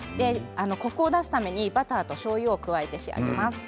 コクを出すためにバターとしょうゆを加えて仕上げます。